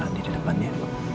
nanti di depan ya